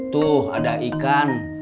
tuh ada ikan